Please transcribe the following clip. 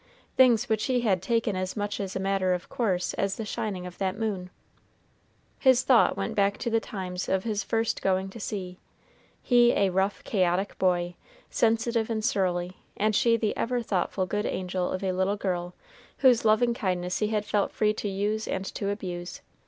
things which he had taken as much as a matter of course as the shining of that moon. His thought went back to the times of his first going to sea, he a rough, chaotic boy, sensitive and surly, and she the ever thoughtful good angel of a little girl, whose loving kindness he had felt free to use and to abuse.